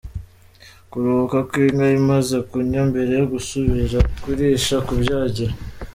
Kuruhuka kw’Inka imaze kunywa mbere yo gusubira kurisha : Kubyagira.